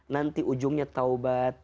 nanti ujungnya taubat